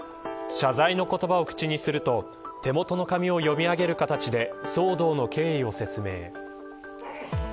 謝罪の言葉を口にすると手元の紙を読み上げる形で騒動の経緯を説明。